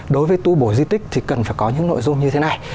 đối với tu bổ di tích thì cần phải có những nội dung như thế này